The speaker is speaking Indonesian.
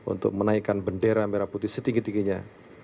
untuk menaikkan bendera merah putih setinggi tingginya